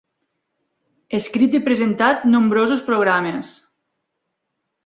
Escrit i presentat nombrosos programes.